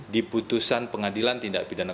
diputusan pengadilan tindak pidana